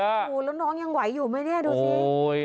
โอ้โหแล้วน้องยังไหวอยู่ไหมเนี่ยดูสิ